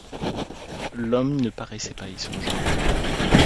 L'homme ne paraissait pas y songer.